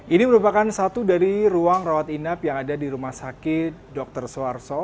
ini merupakan satu dari ruang rawat inap yang ada di rumah sakit dr suharto